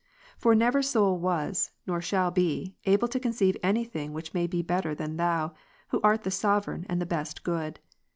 For never soul was, nor shall be, able to conceive any thing which may be better than Thou, who art the sovereign and the best good.